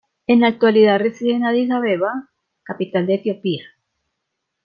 En la actualidad reside en Adís Abeba, capital de Etiopía.